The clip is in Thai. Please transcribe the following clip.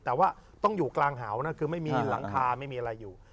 แต่ว่าต้องอยู่กลางหาวนะคือไม่มีหลังคาไม่มีอะไรอยู่